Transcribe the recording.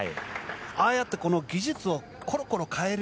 ああやって技術をコロコロ変える。